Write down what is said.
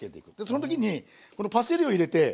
その時にこのパセリを入れて。